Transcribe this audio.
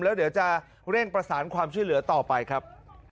แล้วเดี๋ยวจะเร่งประสานความช่วยเหลือต่อไปครับ